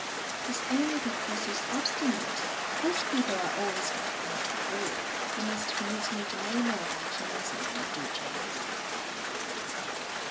"It's only because he's obstinate. Those people are always complaining. Really, you must permit me to know more about nursing than you do, Jamie."